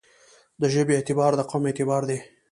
دژبې اعتبار دقوم اعتبار دی.